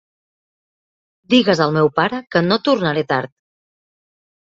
Digues al meu pare que no tornaré tard.